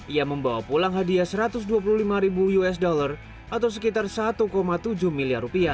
ia membawa pulang hadiah satu ratus dua puluh lima ribu usd atau sekitar satu tujuh miliar rupiah